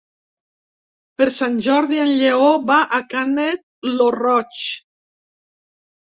Per Sant Jordi en Lleó va a Canet lo Roig.